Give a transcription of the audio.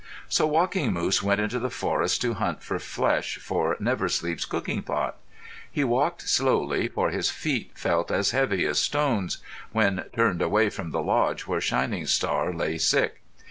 So Walking Moose went into the forest to hunt for flesh for Never Sleep's cooking pot. He walked slowly, for his feet felt as heavy as stones when turned away from the lodge where Shining Star lay sick.